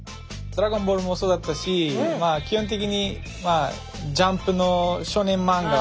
「ドラゴンボール」もそうだったし基本的に「ジャンプ」の少年漫画